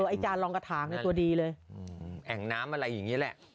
เออไอ้จานลองกระถางเนี่ยตัวดีเลยแกหงน้ำอะไรอยู่อย่างงี้แหละ